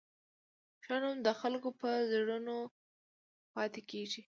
ښه نوم د خلکو په زړونو پاتې کېږي.